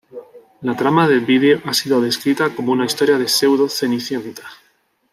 La trama del video ha sido descrita como una historia de pseudo-Cenicienta.